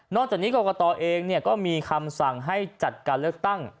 จากนี้กรกตเองก็มีคำสั่งให้จัดการเลือกตั้ง